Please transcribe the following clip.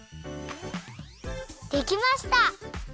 できました！